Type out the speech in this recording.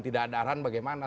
tidak ada arahan bagaimana